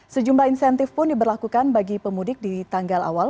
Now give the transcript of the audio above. sejumlah insentif pun diberlakukan bagi pemudik di tanggal awal